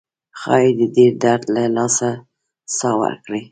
ښایي د ډیر درد له لاسه ساه ورکړي.